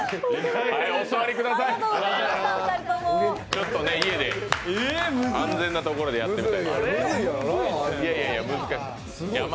ちょっと家で、安全なところでやってみて。